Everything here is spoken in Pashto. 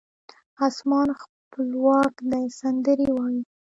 اسمان خپلواک دی سندرې وایې